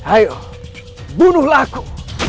ayo bunuhlah aku